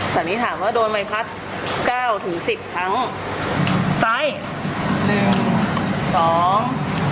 มันถามว่าโดยไม่คัดเก้าถึงสิบครั้งทั้ง